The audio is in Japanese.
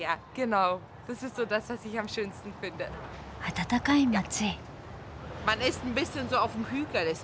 温かい街。